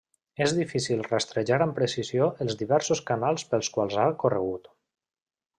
És difícil rastrejar amb precisió els diversos canals pels quals ha corregut.